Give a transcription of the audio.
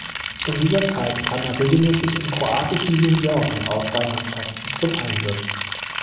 In dieser Zeit kam er regelmäßig in kroatischen Junioren-Auswahlmannschaften zum Einsatz.